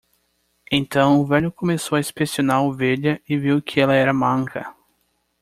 Então o velho começou a inspecionar a ovelha e viu que ela era manca.